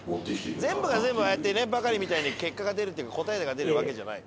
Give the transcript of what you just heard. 全部が全部ああやってバカリみたいに結果が出るっていうか答えが出るわけじゃない。